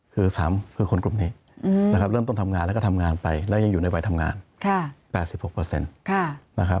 คือ๓คือคนกลุ่มนี้นะครับเริ่มต้นทำงานแล้วก็ทำงานไปแล้วยังอยู่ในวัยทำงาน๘๖นะครับ